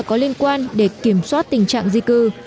có liên quan để kiểm soát tình trạng di cư